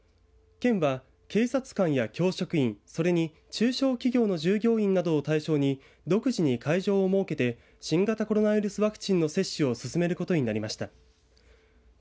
県は、警察官や教職員それに中小企業の従業員などを対象に独自に会場を設けて新型コロナウイルスワクチンの接種を進めることになりました。